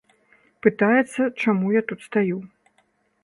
Пытаецца, чаму я тут стаю.